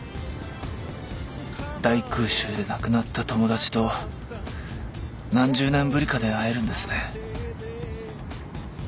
大空襲で亡くなった友達と何十年ぶりかで会えるんですね。